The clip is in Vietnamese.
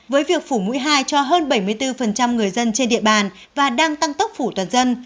với việc phủ mũi hai cho hơn bảy mươi bốn người dân trên địa bàn và đang tăng tốc phủ toàn dân